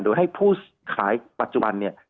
โดยให้ผู้ขายปัจจุบัน